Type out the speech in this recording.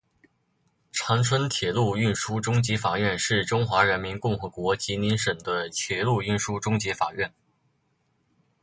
长春铁路运输中级法院是中华人民共和国吉林省的铁路运输中级法院。